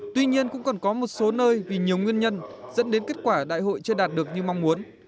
tuy nhiên cũng còn có một số nơi vì nhiều nguyên nhân dẫn đến kết quả đại hội chưa đạt được như mong muốn